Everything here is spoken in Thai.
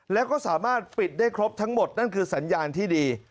แล้วก็สามารถปิดได้ครบทั้งหมดนั่นคือสัญญาณที่ดี